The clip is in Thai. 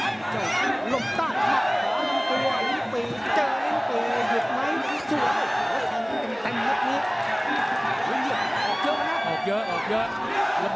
กลบต้านบ้านก่อนไปเจริญแซงให้เห็นหยุดไหมกระดงรอเดียบ